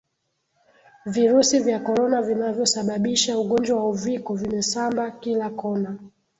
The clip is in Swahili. virusi vya corona vinavyosababisha ugonjwa wa Uviko vimesamba kila kona